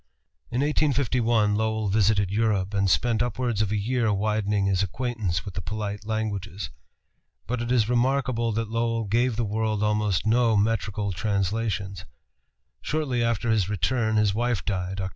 In 1851 Lowell visited Europe, and spent upwards of a year widening his acquaintance with the polite languages. But it is remarkable that Lowell gave the world almost no metrical translations. Shortly after his return his wife died (Oct.